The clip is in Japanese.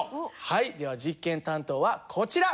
はいでは実験担当はこちら。